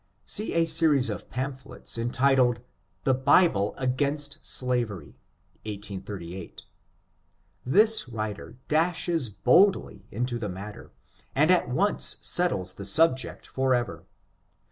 See a series of pamphlets, entitled "The Bible against Slavery," 1838. This writer dashes boldly into the matter, and at once settles the subject for ever.